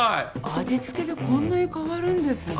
味付けでこんなに変わるんですね